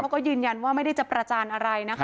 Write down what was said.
เขาก็ยืนยันว่าไม่ได้จะประจานอะไรนะคะ